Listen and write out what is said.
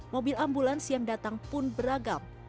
mobil ambulans yang datang pun beragam